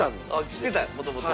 知ってたんやもともと。